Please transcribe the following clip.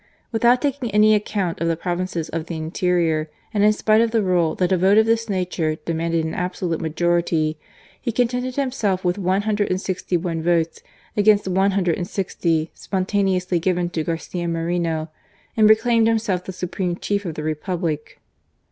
Without taking any count of the provinces of the interior, and in spite of the rule that a vote of this nature demanded an absolute majority, he contented himself with one hundred and sixty one votes against one hundred and sixty spontaneously given to Garcia Moreno, and proclaimed himself the supreme chief of the Republic.